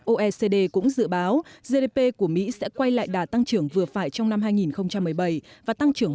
oecd cũng dự báo gdp của mỹ sẽ quay lại đà tăng trưởng vừa phải trong năm hai nghìn một mươi bảy và tăng trưởng